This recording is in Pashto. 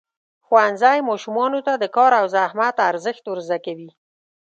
ښوونځی ماشومانو ته د کار او زحمت ارزښت ورزده کوي.